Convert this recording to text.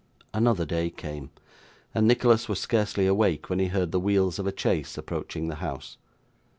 Another day came, and Nicholas was scarcely awake when he heard the wheels of a chaise approaching the house.